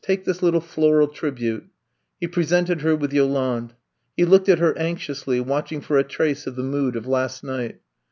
Take this little floral tribute. He presented her with Yolande. He looked at her anxiously, watching for a trace of the mood of last night.